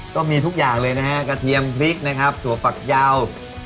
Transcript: ก็มีทุกอย่างเลยนะฮะกระเทียมพริกนะครับถั่วฝักยาว